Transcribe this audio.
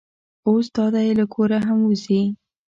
اوس دا دی له کوره هم وځي.